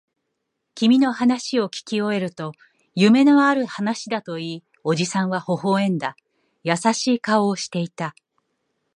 君の話をきき終えると、夢のある話だと言い、おじさんは微笑んだ。優しい顔をしていた。